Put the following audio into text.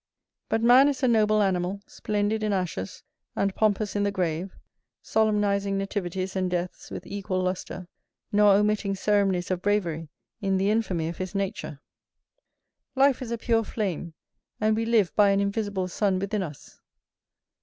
But man is a noble animal, splendid in ashes, and pompous in the grave, solemnizing nativities and deaths with equal lustre, nor omitting ceremonies of bravery in the infamy of his nature. Life is a pure flame, and we live by an invisible sun within us.